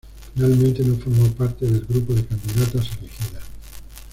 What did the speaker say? Finalmente no formó parte del grupo de candidatas elegidas.